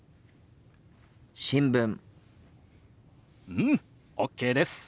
うん！ＯＫです。